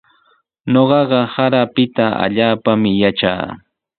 Ñuqaqa sara apita allaapami yatraa.